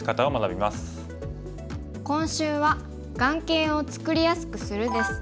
今週は「眼形を作りやすくする」です。